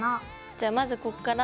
じゃあまずこっから。